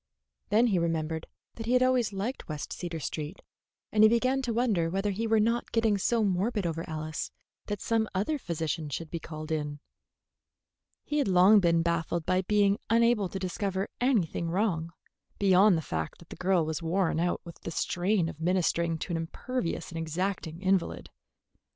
Then he remembered that he had always liked West Cedar Street, and he began to wonder whether he were not getting so morbid over Alice that some other physician should be called in. He had long been baffled by being unable to discover anything wrong, beyond the fact that the girl was worn out with the strain of ministering to an imperious and exacting invalid.